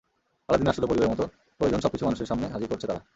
আলাদীনের আশ্চর্য প্রদীপের মতো প্রয়োজনের সবকিছু মানুষের সামনে হাজির করছে তারা।